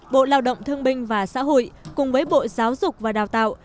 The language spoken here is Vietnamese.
bộ lao động thương binh và xã hội cùng với bộ giáo dục và đào tạo